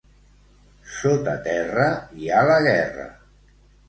Sota terra hi ha la guerra.